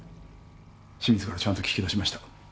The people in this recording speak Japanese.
清水からちゃんと聞き出しました。